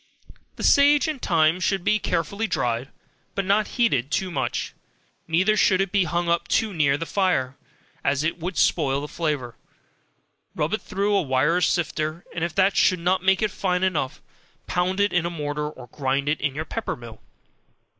The sage and thyme should be carefully dried, but not heated too much, neither should it be hung up too near the fire, as it would spoil the flavor, rub it through a wire sifter, and if that should not make it fine enough, pound it in a mortar or grind it in your pepper mill.